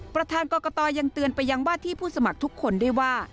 ประธานกรกตยังเตือนไปยังว่าที่ผู้สมัครทุกคนด้วยว่า